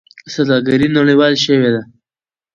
سوداګري نړیواله شوې ده.